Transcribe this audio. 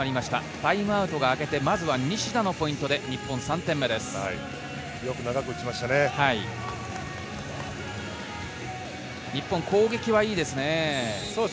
タイムアウトが明けて、まずは西田のポイントで日本、３点目です。